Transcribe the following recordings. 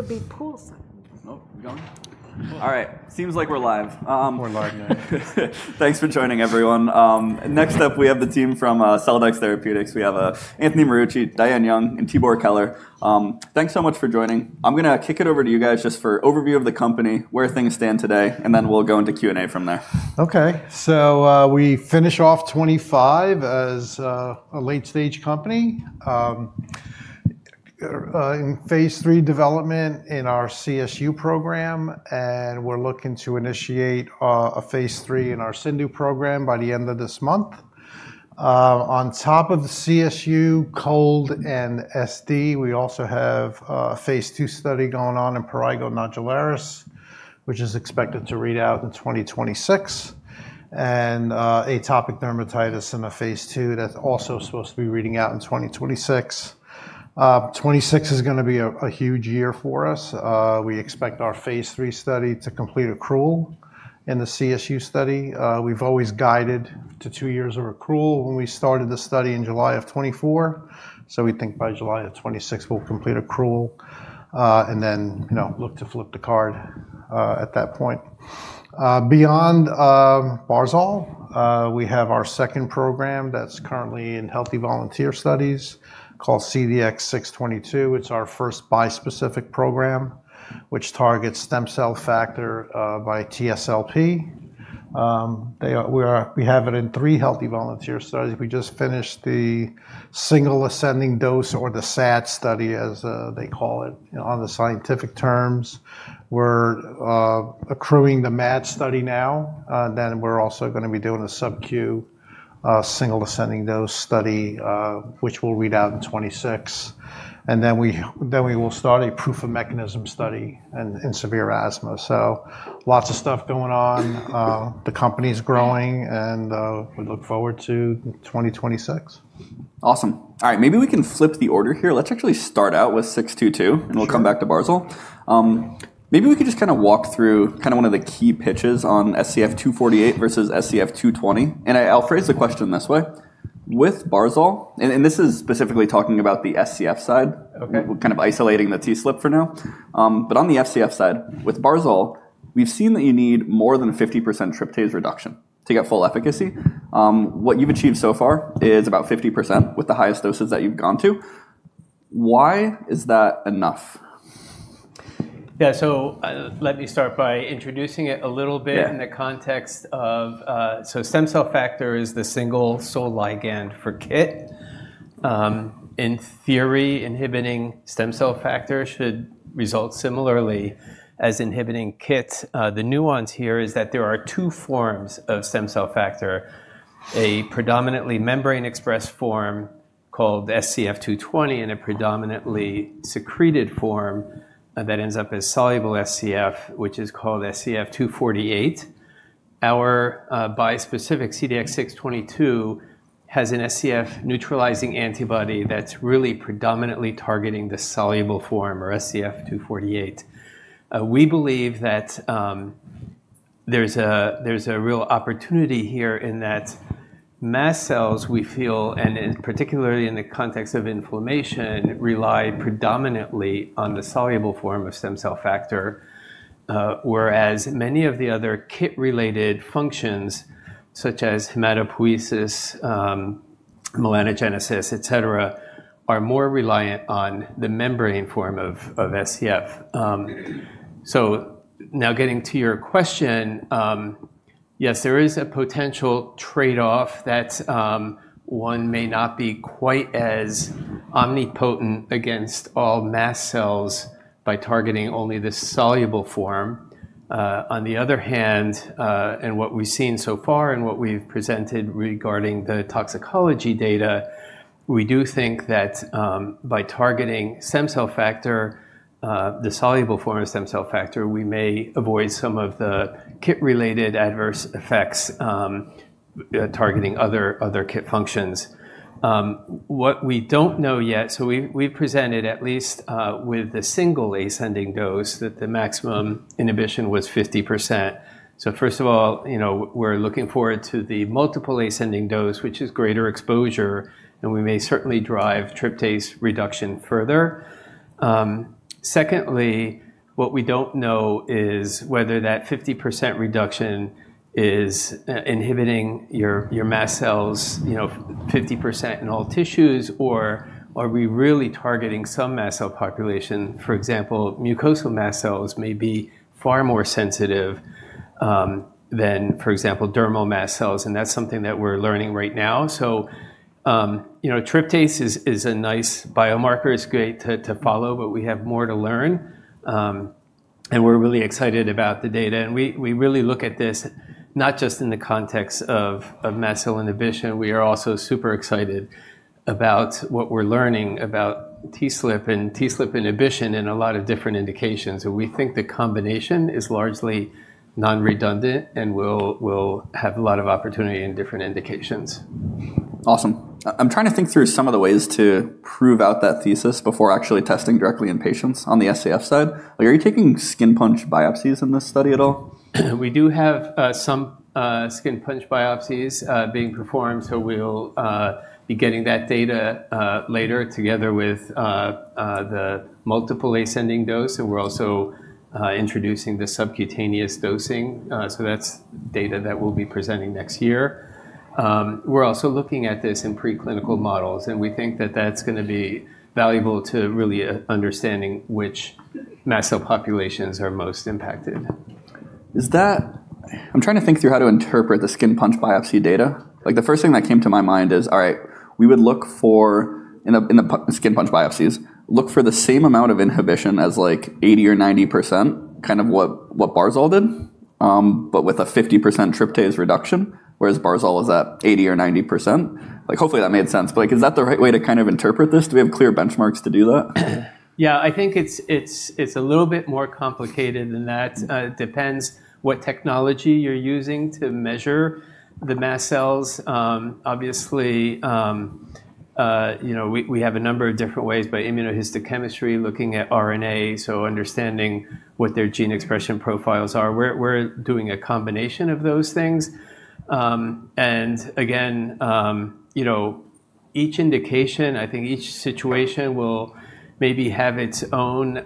Could be pool. All right. Seems like we're live. We're live, man. Thanks for joining, everyone. Next up, we have the team from Celldex Therapeutics. We have Anthony Marucci, Diane Young, and Tibor Keler. Thanks so much for joining. I'm going to kick it over to you guys just for an overview of the company, where things stand today, and then we'll go into Q&A from there. Okay. So we finished off 2025 as a late-stage company in phase III development in our CSU program, and we're looking to initiate a phase III in our CIndU program by the end of this month. On top of the CSU, cold and SD, we also have a phase II study going on in prurigo nodularis, which is expected to read out in 2026, and atopic dermatitis in a phase II that's also supposed to be reading out in 2026. 2026 is going to be a huge year for us. We expect our phase III study to complete accrual in the CSU study. We've always guided to two years of accrual when we started the study in July of 2024. So we think by July of 2026, we'll complete accrual and then look to flip the card at that point. Beyond Barzol, we have our second program that's currently in healthy volunteer studies called CDX-622. It's our first bispecific program, which targets stem cell factor and TSLP. We have it in three healthy volunteer studies. We just finished the single ascending dose, or the SAD study, as they call it. On the scientific terms, we're accruing the MAD study now. Then we're also going to be doing a subQ single ascending dose study, which will read out in 2026. And then we will start a proof of mechanism study in severe asthma. So lots of stuff going on. The company's growing, and we look forward to 2026. Awesome. All right. Maybe we can flip the order here. Let's actually start out with 622, and we'll come back to Barzol. Maybe we could just kind of walk through kind of one of the key pitches on SCF-248 versus SCF-220, and I'll phrase the question this way. With Barzol, and this is specifically talking about the SCF side, kind of isolating the TSLP for now, but on the SCF side, with Barzol, we've seen that you need more than 50% tryptase reduction to get full efficacy. What you've achieved so far is about 50% with the highest doses that you've gone to. Why is that enough? Yeah. So let me start by introducing it a little bit in the context of so stem cell factor is the sole ligand for KIT. In theory, inhibiting stem cell factor should result similarly as inhibiting KIT. The nuance here is that there are two forms of stem cell factor, a predominantly membrane expressed form called SCF-220 and a predominantly secreted form that ends up as soluble SCF, which is called SCF-248. Our bispecific CDX-622 has an SCF neutralizing antibody that's really predominantly targeting the soluble form, or SCF-248. We believe that there's a real opportunity here in that mast cells, we feel, and particularly in the context of inflammation, rely predominantly on the soluble form of stem cell factor, whereas many of the other KIT-related functions, such as hematopoiesis, melanogenesis, et cetera, are more reliant on the membrane form of SCF. So now getting to your question, yes, there is a potential trade-off that one may not be quite as omnipotent against all mast cells by targeting only the soluble form. On the other hand, what we've seen so far and what we've presented regarding the toxicology data, we do think that by targeting stem cell factor, the soluble form of stem cell factor, we may avoid some of the KIT-related adverse effects targeting other KIT functions. What we don't know yet, so we've presented at least with the single ascending dose that the maximum inhibition was 50%. So first of all, we're looking forward to the multiple ascending dose, which is greater exposure, and we may certainly drive tryptase reduction further. Secondly, what we don't know is whether that 50% reduction is inhibiting your mast cells 50% in all tissues, or are we really targeting some mast cell population? For example, mucosal mast cells may be far more sensitive than, for example, dermal mast cells, and that's something that we're learning right now. So tryptase is a nice biomarker. It's great to follow, but we have more to learn. And we're really excited about the data. And we really look at this not just in the context of mast cell inhibition. We are also super excited about what we're learning about TSLP and TSLP inhibition in a lot of different indications. And we think the combination is largely non-redundant and will have a lot of opportunity in different indications. Awesome. I'm trying to think through some of the ways to prove out that thesis before actually testing directly in patients on the SCF side. Are you taking skin punch biopsies in this study at all? We do have some skin punch biopsies being performed, so we'll be getting that data later together with the multiple ascending dose. And we're also introducing the subcutaneous dosing. So that's data that we'll be presenting next year. We're also looking at this in preclinical models, and we think that that's going to be valuable to really understanding which mast cell populations are most impacted. I'm trying to think through how to interpret the skin punch biopsy data. The first thing that came to my mind is, all right, we would look for in the skin punch biopsies, look for the same amount of inhibition as like 80% or 90%, kind of what Barzol did, but with a 50% tryptase reduction, whereas Barzol was at 80% or 90%. Hopefully, that made sense. But is that the right way to kind of interpret this? Do we have clear benchmarks to do that? Yeah. I think it's a little bit more complicated than that. It depends on what technology you're using to measure the mast cells. Obviously, we have a number of different ways by immunohistochemistry looking at RNA, so understanding what their gene expression profiles are. We're doing a combination of those things. And again, each indication, I think each situation will maybe have its own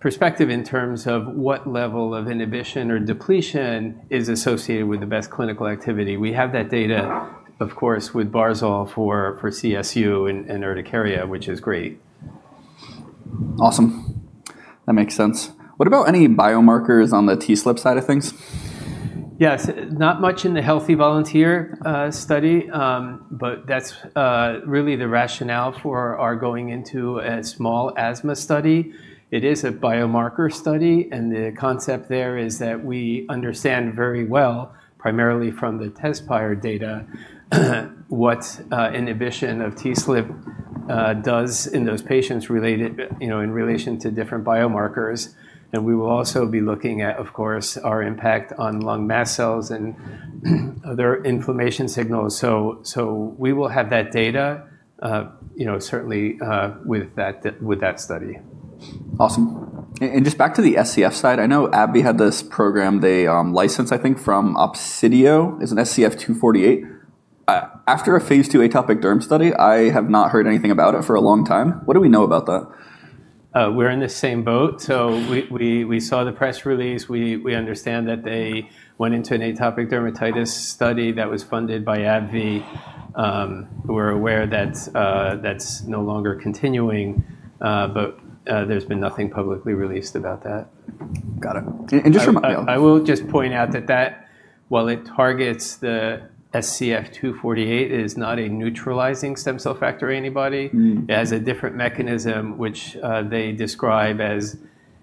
perspective in terms of what level of inhibition or depletion is associated with the best clinical activity. We have that data, of course, with Barzol for CSU and urticaria, which is great. Awesome. That makes sense. What about any biomarkers on the TSLP side of things? Yes. Not much in the healthy volunteer study, but that's really the rationale for our going into a small asthma study. It is a biomarker study, and the concept there is that we understand very well, primarily from the TEZSPIRE data, what inhibition of TSLP does in those patients in relation to different biomarkers. And we will also be looking at, of course, our impact on lung mast cells and other inflammation signals. So we will have that data, certainly with that study. Awesome. And just back to the SCF side, I know AbbVie had this program they licensed, I think, from Opsidio. It's an SCF-248. After a phase II atopic derm study, I have not heard anything about it for a long time. What do we know about that? We're in the same boat. So we saw the press release. We understand that they went into an atopic dermatitis study that was funded by AbbVie. We're aware that that's no longer continuing, but there's been nothing publicly released about that. Got it. And just. I will just point out that, while it targets the SCF-248, it is not a neutralizing stem cell factor antibody. It has a different mechanism, which they describe as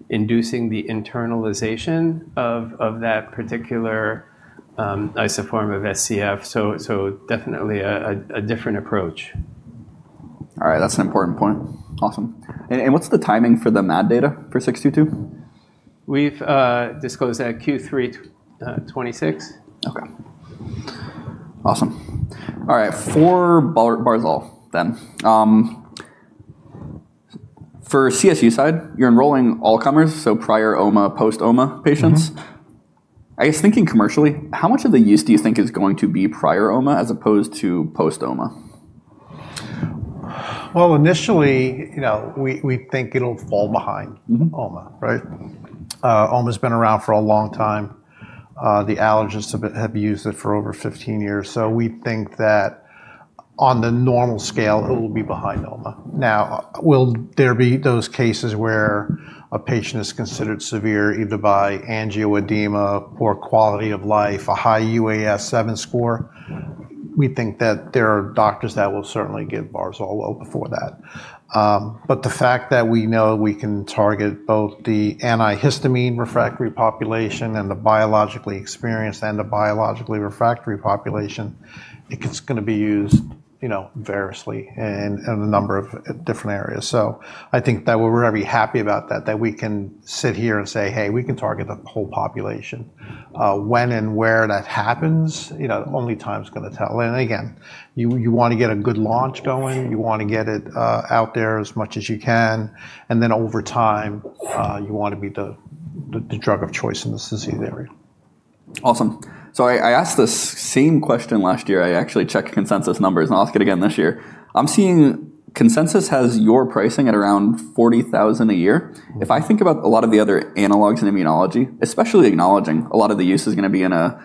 inducing the internalization of that particular isoform of SCF, so definitely a different approach. All right. That's an important point. Awesome. And what's the timing for the MAD data for 622? We've disclosed that Q3 2026. OK. Awesome. All right. For Barzol then, for CSU side, you're enrolling all comers, so prior omalizumab, post-omalizumab patients. I guess thinking commercially, how much of the use do you think is going to be prior omalizumab as opposed to post-omalizumab? Initially, we think it'll fall behind omalizumab, right? Omalizumab has been around for a long time. The allergists have used it for over 15 years. We think that on the normal scale, it will be behind omalizumab. Now, will there be those cases where a patient is considered severe either by angioedema, poor quality of life, a high UAS-7 score? We think that there are doctors that will certainly give Barzol well before that. But the fact that we know we can target both the antihistamine refractory population and the biologically experienced and the biologically refractory population, it's going to be used variously in a number of different areas. I think that we're going to be happy about that, that we can sit here and say, hey, we can target the whole population. When and where that happens, only time is going to tell. And again, you want to get a good launch going. You want to get it out there as much as you can. And then over time, you want to be the drug of choice in the disease area. Awesome. So I asked this same question last year. I actually checked consensus numbers, and I'll ask it again this year. I'm seeing consensus has your pricing at around $40,000 a year. If I think about a lot of the other analogs in immunology, especially acknowledging a lot of the use is going to be in a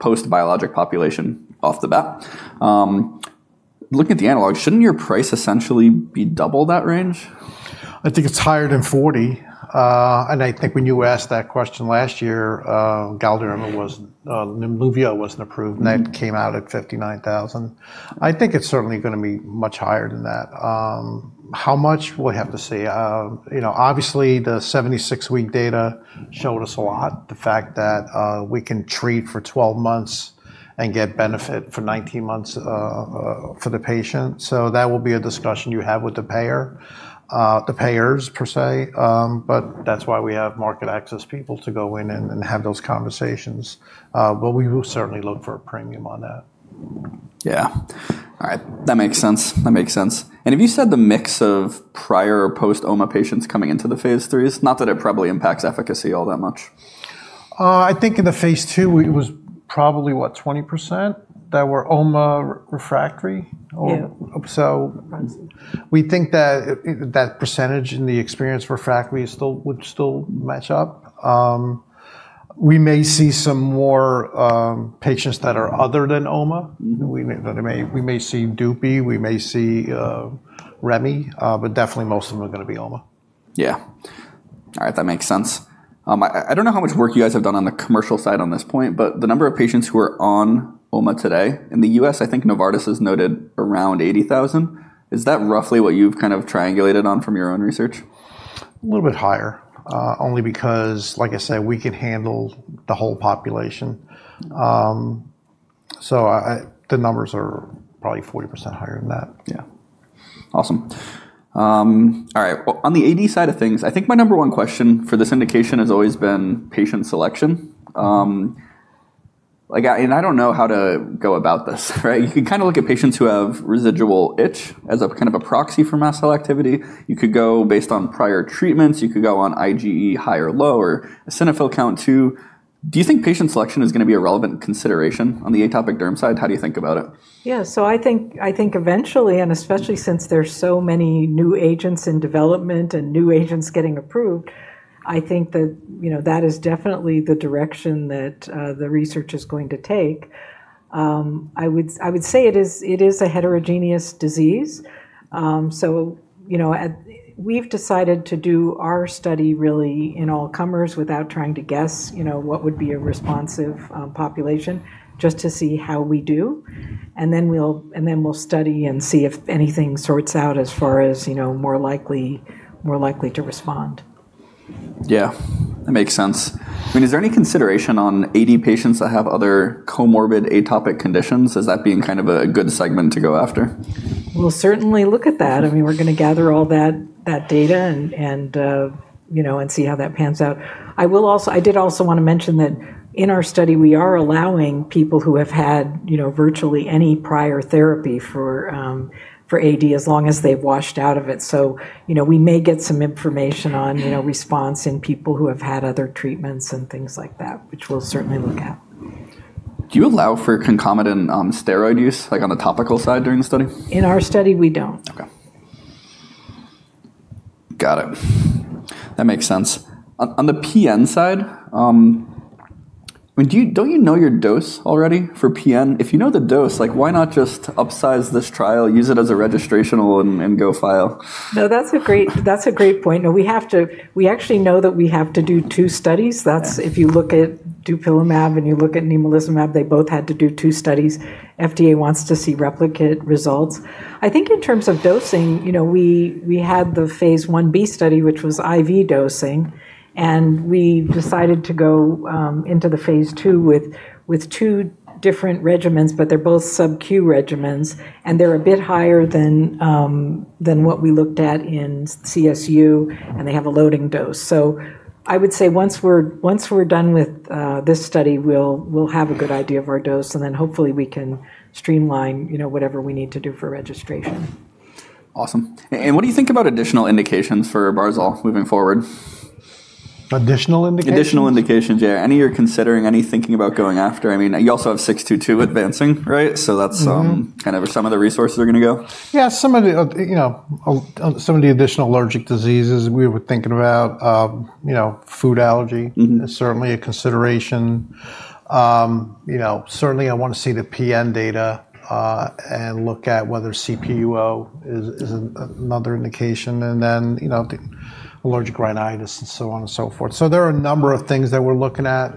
post-biologic population off the bat. Looking at the analogs, shouldn't your price essentially be double that range? I think it's higher than $40,000. I think when you asked that question last year, Galderma wasn't, Nemluvio wasn't approved, and that came out at $59,000. I think it's certainly going to be much higher than that. How much? We'll have to see. Obviously, the 76-week data showed us a lot, the fact that we can treat for 12 months and get benefit for 19 months for the patient. That will be a discussion you have with the payers, per se. That's why we have market access people to go in and have those conversations. We will certainly look for a premium on that. Yeah. All right. That makes sense. That makes sense. And have you said the mix of prior or post-omalizumab patients coming into the phase IIIs, not that it probably impacts efficacy all that much? I think in the phase II, it was probably, what, 20% that were omalizumab refractory. So we think that that percentage in the experienced refractory would still match up. We may see some more patients that are other than omalizumab. We may see dupilumab. We may see remibrutinib, but definitely most of them are going to be omalizumab. Yeah. All right. That makes sense. I don't know how much work you guys have done on the commercial side on this point, but the number of patients who are on omalizumab today in the U.S., I think Novartis has noted around 80,000. Is that roughly what you've kind of triangulated on from your own research? A little bit higher, only because, like I said, we can handle the whole population. So the numbers are probably 40% higher than that. Yeah. Awesome. All right. On the AD side of things, I think my number one question for this indication has always been patient selection. And I don't know how to go about this, right? You can kind of look at patients who have residual itch as a kind of a proxy for mast cell activity. You could go based on prior treatments. You could go on IgE high or low or an eosinophil count too. Do you think patient selection is going to be a relevant consideration on the atopic derm side? How do you think about it? Yeah. So I think eventually, and especially since there's so many new agents in development and new agents getting approved, I think that that is definitely the direction that the research is going to take. I would say it is a heterogeneous disease. So we've decided to do our study really in all comers without trying to guess what would be a responsive population, just to see how we do. And then we'll study and see if anything sorts out as far as more likely to respond. Yeah. That makes sense. I mean, is there any consideration on AD patients that have other comorbid atopic conditions? Is that being kind of a good segment to go after? We'll certainly look at that. I mean, we're going to gather all that data and see how that pans out. I did also want to mention that in our study, we are allowing people who have had virtually any prior therapy for AD as long as they've washed out of it. So we may get some information on response in people who have had other treatments and things like that, which we'll certainly look at. Do you allow for concomitant steroid use on the topical side during the study? In our study, we don't. OK. Got it. That makes sense. On the PN side, don't you know your dose already for PN? If you know the dose, why not just upsize this trial, use it as a registrational and go file? No, that's a great point. We actually know that we have to do two studies. If you look at dupilumab and you look at nemolizumab, they both had to do two studies. FDA wants to see replicate results. I think in terms of dosing, we had the phase I-B study, which was IV dosing. And we decided to go into the phase II with two different regimens, but they're both subQ regimens. And they're a bit higher than what we looked at in CSU, and they have a loading dose. So I would say once we're done with this study, we'll have a good idea of our dose. And then hopefully, we can streamline whatever we need to do for registration. Awesome. And what do you think about additional indications for Barzol moving forward? Additional indications? Additional indications, yeah. Any you're considering, any thinking about going after? I mean, you also have 622 advancing, right? So that's kind of where some of the resources are going to go. Yeah. Some of the additional allergic diseases we were thinking about, food allergy is certainly a consideration. Certainly, I want to see the PN data and look at whether CIP is another indication, and then allergic rhinitis and so on and so forth. So there are a number of things that we're looking at.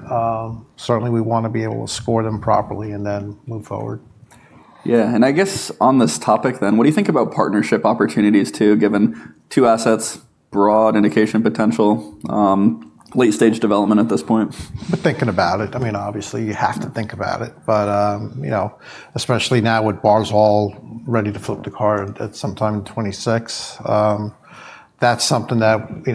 Certainly, we want to be able to score them properly and then move forward. Yeah. And I guess on this topic then, what do you think about partnership opportunities too, given two assets, broad indication potential, late-stage development at this point? We're thinking about it. I mean, obviously, you have to think about it. But especially now with Barzol ready to flip the card at some time in 2026, that's something that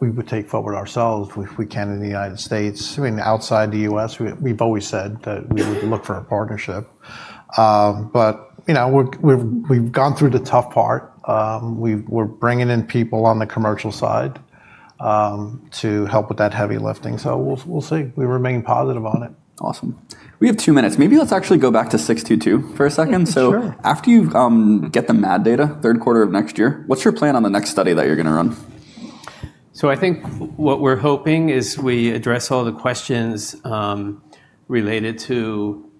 we would take forward ourselves if we can in the United States. I mean, outside the U.S., we've always said that we would look for a partnership. But we've gone through the tough part. We're bringing in people on the commercial side to help with that heavy lifting. So we'll see. We remain positive on it. Awesome. We have two minutes. Maybe let's actually go back to 622 for a second. So after you get the MAD data third quarter of next year, what's your plan on the next study that you're going to run? I think what we're hoping is we address all the questions related to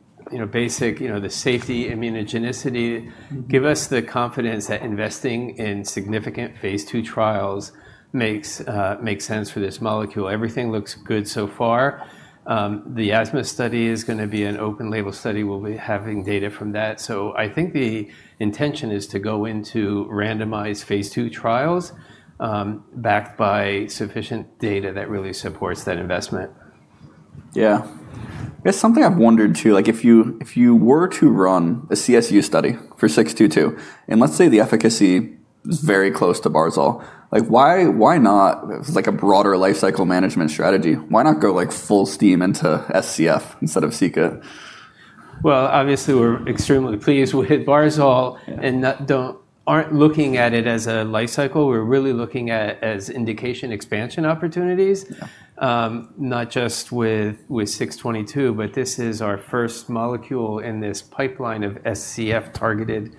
basic safety, immunogenicity. Give us the confidence that investing in significant phase II trials makes sense for this molecule. Everything looks good so far. The asthma study is going to be an open label study. We'll be having data from that. I think the intention is to go into randomized phase II trials backed by sufficient data that really supports that investment. Yeah. There's something I've wondered too. If you were to run a CSU study for 622, and let's say the efficacy is very close to Barzol, why not, like a broader life cycle management strategy, why not go full steam into SCF instead of c-Kit. Obviously, we're extremely pleased. We hit Barzol and aren't looking at it as a life cycle. We're really looking at it as indication expansion opportunities, not just with 622. But this is our first molecule in this pipeline of SCF-targeted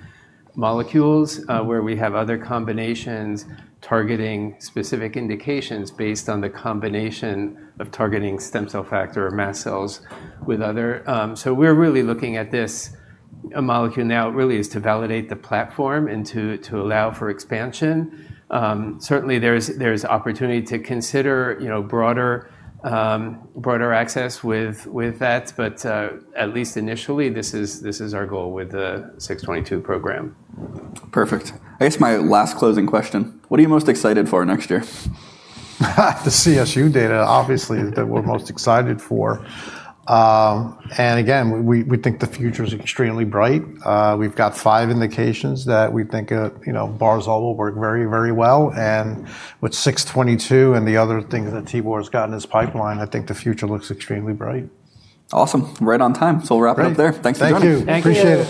molecules where we have other combinations targeting specific indications based on the combination of targeting stem cell factor or mast cells with other. So we're really looking at this molecule now really is to validate the platform and to allow for expansion. Certainly, there's opportunity to consider broader access with that. But at least initially, this is our goal with the 622 program. Perfect. I guess my last closing question, what are you most excited for next year? The CSU data obviously is that we're most excited for. And again, we think the future is extremely bright. We've got five indications that we think Barzol will work very, very well. And with 622 and the other things that Tibor has got in his pipeline, I think the future looks extremely bright. Awesome. Right on time. So we'll wrap it up there. Thanks.